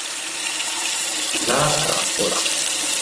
La trappola